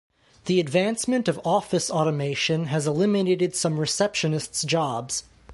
The advancement of office automation has eliminated some receptionists' jobs.